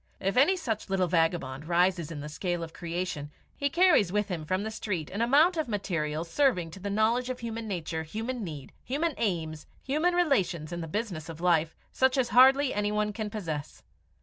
If any such little vagabond rises in the scale of creation, he carries with him from the street an amount of material serving to the knowledge of human nature, human need, human aims, human relations in the business of life, such as hardly another can possess.